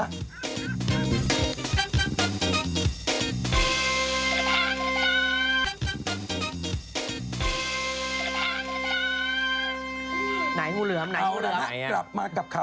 เต็มแบบไหนงูเหลือม